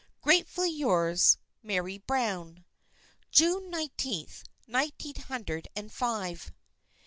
"Gratefully yours, "Mary Brown. "June nineteenth, nineteen hundred and five."